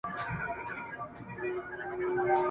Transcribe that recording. له ګوښې یې ښایسته مرغۍ څارله !.